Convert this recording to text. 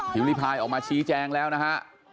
ริพายออกมาชี้แจงแล้วนะฮะ